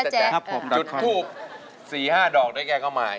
จุดพูดสี่ห้าดอกด้วยแก้เข้ามาเอง